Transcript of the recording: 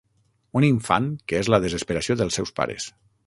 Un infant que és la desesperació dels seus pares.